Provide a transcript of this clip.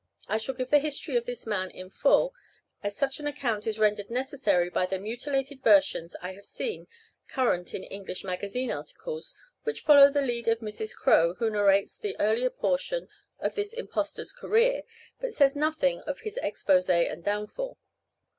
I shall give the history of this man in full, as such an account is rendered necessary by the mutilated versions I have seen current in English magazine articles, which follow the lead of Mrs. Crowe, who narrates the earlier portion of this impostor's career, but says nothing of his exposé and downfall.